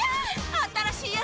新しいやつ！